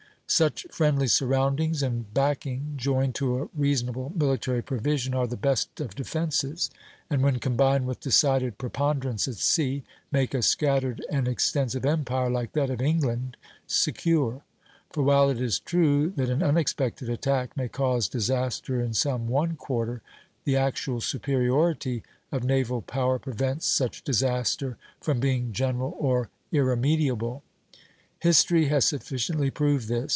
Such friendly surroundings and backing, joined to a reasonable military provision, are the best of defences, and when combined with decided preponderance at sea, make a scattered and extensive empire, like that of England, secure; for while it is true that an unexpected attack may cause disaster in some one quarter, the actual superiority of naval power prevents such disaster from being general or irremediable. History has sufficiently proved this.